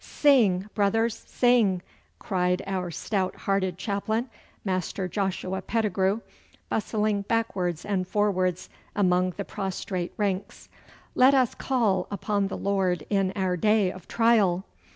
'Sing, brothers, sing!' cried our stout hearted chaplain, Master Joshua Pettigrue, bustling backwards and forwards among the prostrate ranks. 'Let us call upon the Lord in our day of trial!